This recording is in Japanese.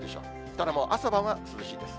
ただもう、朝晩は涼しいです。